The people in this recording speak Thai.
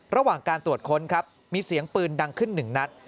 ระหว่างการตรวจค้นครับมีเสียงปืนดังขึ้นหนึ่งนัด